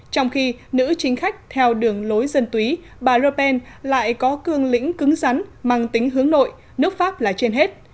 trong khi nữ chính khách theo đường lối dân túy bà le pen lại có cương lĩnh cứng rắn măng tính hướng nội nước pháp là trên hết